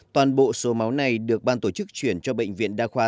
toàn bộ số máu này được ban tổ chức chuyển cho bệnh viện đa khoa tỉnh đắk lắc